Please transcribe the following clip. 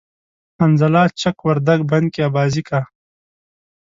حنظله چک وردگ بند کی آبازی کا